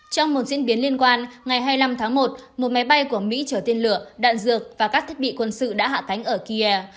trong một diễn biến liên quan ngày hai mươi năm tháng một một máy bay của mỹ chở tiên lửa đạn dược và các thiết bị quân sự đã hạ cánh ở kia